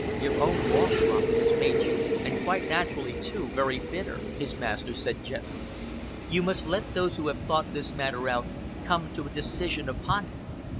"Your own loss, Robert, has made you and quite naturally, too very bitter," his master said gently. "You must let those who have thought this matter out come to a decision upon it.